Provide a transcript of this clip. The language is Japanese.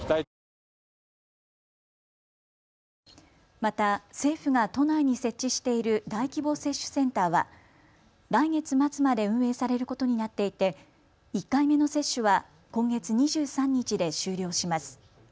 また政府が都内に設置している大規模接種センターは来月末まで運営されることになっていて１回目の接種は今月２３日で終了します。